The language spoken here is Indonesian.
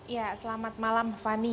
ya selamat malam fani